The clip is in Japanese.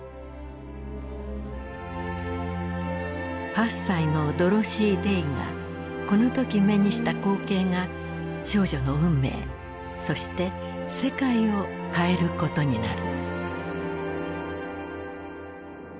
８歳のドロシー・デイがこの時目にした光景が少女の運命そして世界を変えることになる。